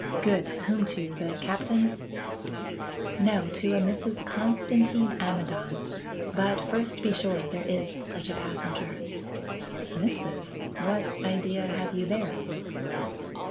"Good. Whom to? The Captain?" "No, to a Mrs. Constantin Amidon. But first be sure there is such a passenger." "Mrs.! What idea have you there?"